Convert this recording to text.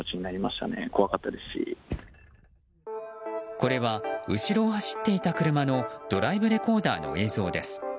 これは後ろを走っていた車のドライブレコーダーの映像です。